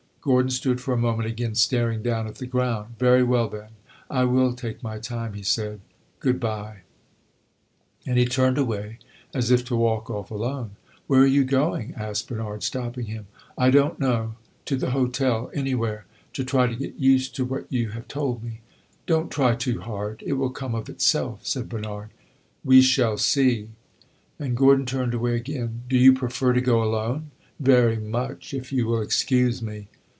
Gordon stood for a moment again staring down at the ground. "Very well, then, I will take my time," he said. "Good bye!" And he turned away, as if to walk off alone. "Where are you going?" asked Bernard, stopping him. "I don't know to the hotel, anywhere. To try to get used to what you have told me." "Don't try too hard; it will come of itself," said Bernard. "We shall see!" And Gordon turned away again. "Do you prefer to go alone?" "Very much if you will excuse me!"